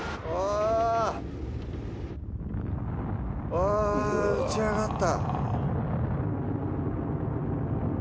あ打ち上がった！